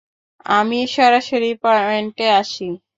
আমি সরাসরি পয়েন্টে আসি।